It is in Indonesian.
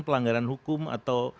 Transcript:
pelanggaran hukum atau